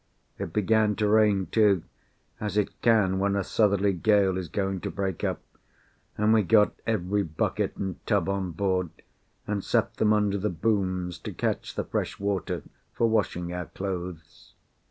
It began to rain, too, as it can when a southerly gale is going to break up, and we got every bucket and tub on board, and set them under the booms to catch the fresh water for washing our clothes.